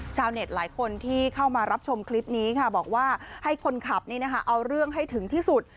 ชาวเน็ตหลายคนที่เข้ามารับชมคลิปนี้ค่ะบอกว่าให้คนขับนี่นะคะเอาเรื่องให้ถึงที่สุด